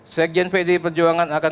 sekjen pd perjuangan akan